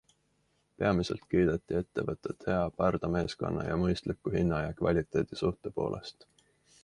Peamiselt kiideti ettevõtet hea pardameeskonna ja mõistliku hinna ja kvaliteedi suhte poolest.